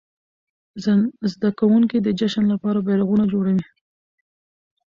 زده کوونکي د جشن لپاره بيرغونه جوړوي.